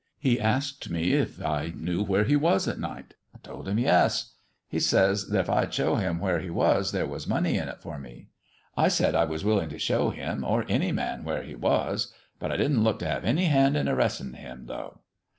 He asked me if I knew where He was at night. I told him yes. He says that if I'd show where He was there was money in it for me. I said I was willing to show him or any man where He was. But I didn't look to have any hand in arresting Him, though."